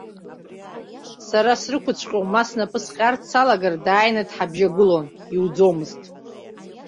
Сара срықәыҵәҟьо, ма снапы сҟьарц салагар, дааины дҳабжьагылон, иуӡомызт.